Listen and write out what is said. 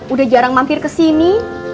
udah jarang mampir kesini